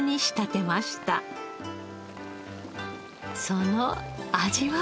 その味は？